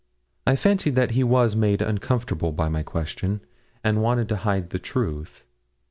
I fancied that he was made uncomfortable by my question, and wanted to hide the truth.